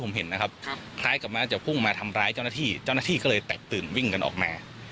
เจ้าหน้าที่ก็เลยแตกตื่นวิ่งกันออกมา